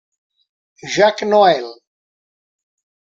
Jacques Noël